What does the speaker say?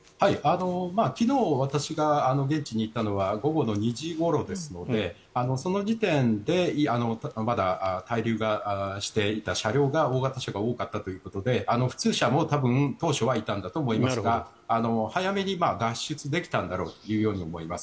昨日、私が現地に行ったのは午後の２時ごろですのでその時点でまだ滞留していた車両が大型車が多かったということで普通車も多分、当初はいたんだと思いますが早めに脱出できたんだろうと思います。